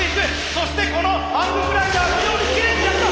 そしてこのハンググライダーきれいに落下！